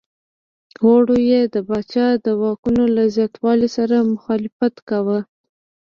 غړو یې د پاچا د واکونو له زیاتوالي سره مخالفت کاوه.